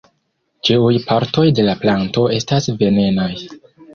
Ĉiuj partoj de la planto estas venenaj.